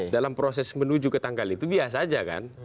dalam proses menuju ke tanggal itu biasa saja kan